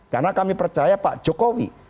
karena kami percaya pak jokowi